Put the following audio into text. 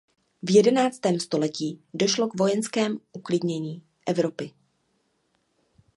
V jedenáctém století došlo k vojenském uklidnění Evropy.